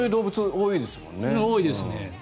多いですね。